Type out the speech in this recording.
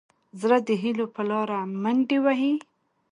زړه د هيلو په لاره منډې وهي.